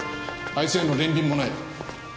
あいつへの憐憫もない。